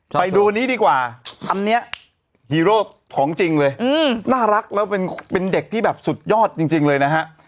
ไปดูอันนี้ดีกว่าอันนี้ฮีโร่ของจริงเลยน่ารักแล้วเป็นเด็กที่แบบสุดยอดจริงเลยนะฮะ